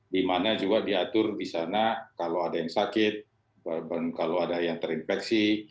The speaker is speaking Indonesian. di mana juga diatur di sana kalau ada yang sakit kalau ada yang terinfeksi